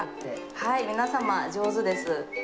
はい皆様上手です。